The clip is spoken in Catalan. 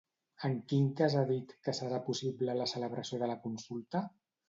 En quin cas ha dit que serà possible la celebració de la consulta?